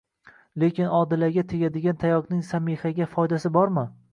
Lekin Odilaga tegadigan tayoqning Samihaga foydasi bormi?